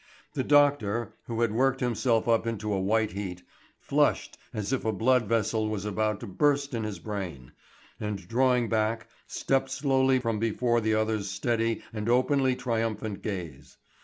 The doctor, who had worked himself up into a white heat, flushed as if a blood vessel was about to burst in his brain, and drawing back, stepped slowly from before the other's steady and openly triumphant gaze.